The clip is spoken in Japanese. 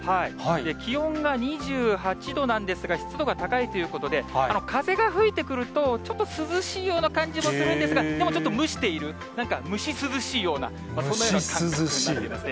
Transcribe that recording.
気温が２８度なんですが、湿度が高いということで、風が吹いてくると、ちょっと涼しいような感じもするんですが、でもちょっと蒸している、なんか蒸し涼しいような、そんなような感じになっていますね。